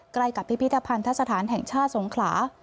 ใกล้กับพิพิธภัณฑสถานแห่งชาติสงขลา